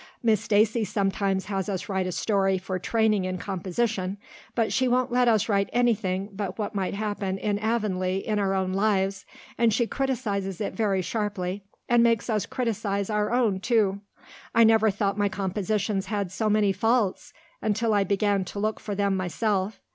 Miss Stacy sometimes has us write a story for training in composition, but she won't let us write anything but what might happen in Avonlea in our own lives, and she criticizes it very sharply and makes us criticize our own too. I never thought my compositions had so many faults until I began to look for them myself.